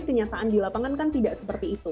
kenyataan di lapangan kan tidak seperti itu